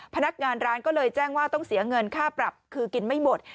พนักงานร้านก็เลยแจ้งว่าต้องเสียเงินค่าปรับคือกินไม่หมด